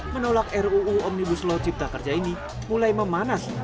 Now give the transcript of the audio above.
menolak ruu omnibus law cipta kerja ini mulai memanas